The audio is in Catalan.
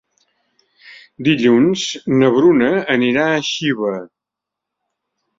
Dilluns na Bruna anirà a Xiva.